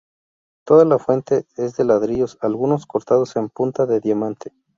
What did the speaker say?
Toda la fuente es de ladrillos, algunos cortados en punta de diamante.